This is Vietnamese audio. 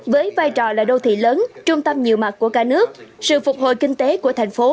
với vai trò là đô thị lớn trung tâm nhiều mặt của cả nước sự phục hồi kinh tế của thành phố